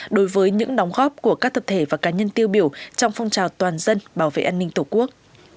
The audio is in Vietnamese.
đối với những đóng góp của các tập thể và cá nhân tiêu biểu trong phong trào toàn dân bảo vệ an ninh tổ quốc